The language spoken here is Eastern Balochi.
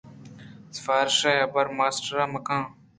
سفارش ءِ حبرءَ ماسٹرمہ کن